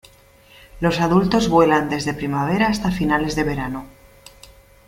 Los adultos vuelan desde primavera hasta finales de verano.